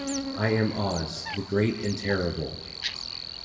I am Oz, the Great and Terrible.